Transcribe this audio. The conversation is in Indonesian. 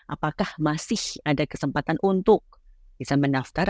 apakah masih ada kesempatan untuk bisa mendaftar